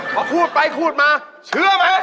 พอคูดไปคูดมาเชื่อไหม